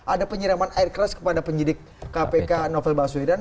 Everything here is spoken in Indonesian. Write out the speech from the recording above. ada penyiraman air keras kepada penyidik kpk novel baswedan